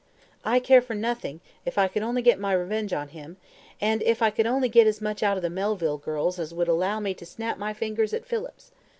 "I care for nothing if I could only get my revenge on him, and if I could only get as much out of the Melville girls as would allow me to snap my fingers at Phillips.